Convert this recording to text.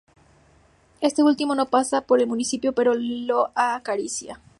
Este último no pasa por el municipio pero lo acaricia.